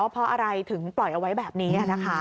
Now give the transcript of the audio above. เพราะอะไรถึงปล่อยเอาไว้แบบนี้นะคะ